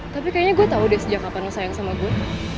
tapi kayaknya gue tau deh sejak kapan lu sayang sama gue